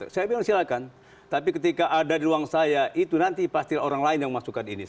saya bilang silakan tapi ketika ada di ruang saya itu nanti pasti orang lain yang masukkan ini